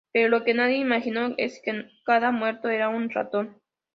Pero lo que nadie imaginó es que cada muerto era un ratón.